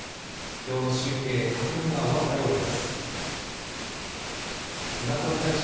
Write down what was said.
票の集計、確認が終わったようです。